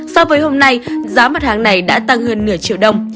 so với hôm nay giá mặt hàng này đã tăng hơn nửa triệu đồng